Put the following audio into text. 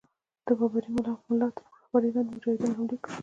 د بابړي مُلا تر رهبری لاندي مجاهدینو حملې کړې.